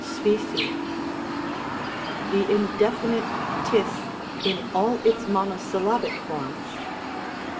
ocptOL. The indefinite nq in all its monosyllabic forms.